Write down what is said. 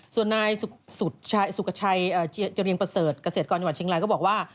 ส่วนนายสุขชัยเจรียงประเสริฐเกษตรกรจังหวัดเชียงรายก็บอกว่า